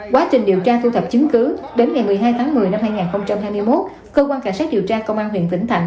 quá trình điều tra thu thập chứng cứ đến ngày một mươi hai tháng một mươi năm hai nghìn hai mươi một cơ quan cảnh sát điều tra công an huyện vĩnh thạnh